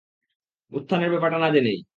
উত্থানের ব্যাপারটা না জেনেই।